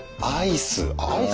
アイス。